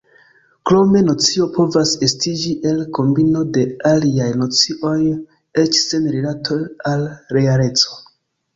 Krome nocio povas estiĝi el kombino de aliaj nocioj eĉ sen rilato al realeco.